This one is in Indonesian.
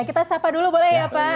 kita sapa dulu boleh ya pak